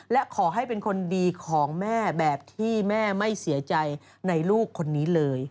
และขอให้เป็นคนดีของแม่แบบที่แม่ไม่เสียใจในลูกคนนี้เลย